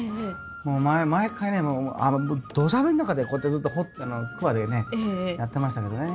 もう毎回ねもうどしゃ降りの中でこうやってずっとくわでねやってましたけどね。